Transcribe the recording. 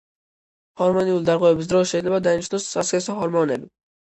ჰორმონული დარღვევების დროს შეიძლება დაინიშნოს სასქესო ჰორმონები.